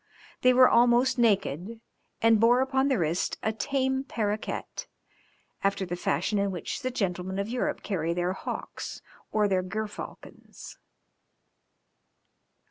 They were almost naked, and bore upon the wrist a tame parroquet, after the fashion in which the gentlemen of Europe carry their hawks or their gerfalcons.